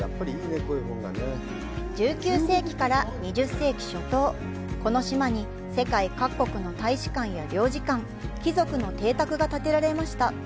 １９世紀から２０世紀初頭、この島に世界各国の大使館や領事館、貴族の邸宅が建てられました。